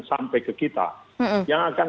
sampai ke kita yang akan